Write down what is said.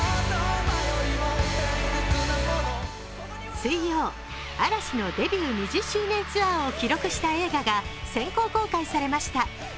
水曜、嵐のデビュー２０周年ツアーを記録した映画が先行公開されました。